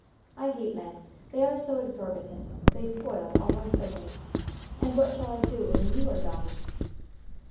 I hate men, they are so exorbitant, they spoil all our playmates; and what shall I do when you are gone?"